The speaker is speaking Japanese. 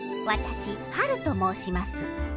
私ハルと申します。